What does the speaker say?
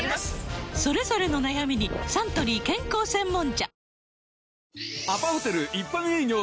それぞれの悩みにサントリー健康専門茶